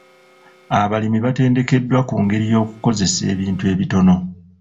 Abalimi batendekeddwa ku ngeri y'okukozesa ebintu ebitono.